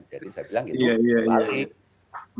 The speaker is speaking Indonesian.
jadi saya bilang itu balik